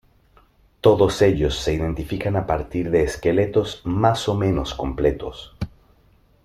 Todos ellos se identifican a partir de esqueletos más o menos completos.